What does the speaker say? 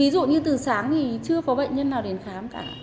ví dụ như từ sáng thì chưa có bệnh nhân nào đến khám cả